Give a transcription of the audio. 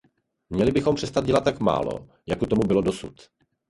Měli bychom přestat dělat tak málo, jak tomu bylo dosud.